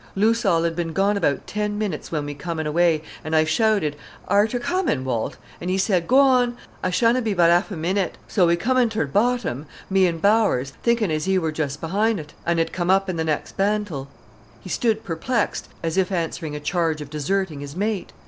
"Loose all 'ad bin gone about ten minutes when we com'n away, an' I shouted, 'Are ter comin', Walt?' an' 'e said, 'Go on, Ah shanna be but a'ef a minnit,' so we com'n ter th' bottom, me an' Bowers, thinkin' as 'e wor just behint, an' 'ud come up i' th' next bantle——" He stood perplexed, as if answering a charge of deserting his mate.